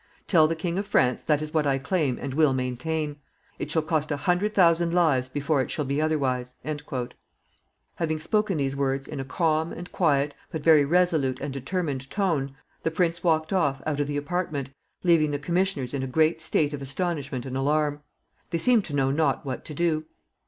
Tell the King of France that is what I claim and will maintain. It shall cost a hundred thousand lives before it shall be otherwise." Having spoken these words in a calm and quiet, but very resolute and determined tone, the prince walked off out of the apartment, leaving the commissioners in a great state of astonishment and alarm. They seemed to know not what to do.